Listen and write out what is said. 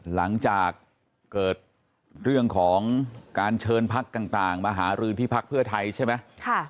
หลังจากเกิดเรื่องของการเชิญพักต่างมาหารือที่พักเพื่อไทยใช่ไหม